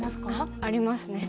ありますね。